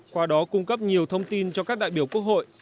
qua đó cung cấp nhiều thông tin cho các đại biểu quốc hội